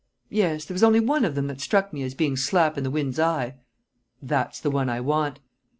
"Yes; there was only one of them that struck me as being slap in the wind's eye." "That's the one I want."